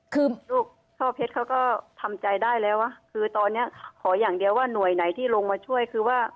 คือลูกช่อเพชรเขาก็ทำใจได้แล้ววะคือตอนนี้ขออย่างเดียวว่าหน่วยไหนที่ลงมาช่วยคือว่า